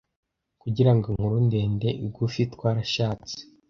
Kugira ngo inkuru ndende igufi, twarashatse.